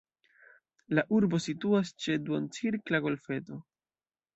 La urbo situas ĉe duoncirkla golfeto.